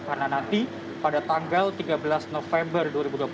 karena nanti pada tanggal tiga belas november dua ribu dua puluh satu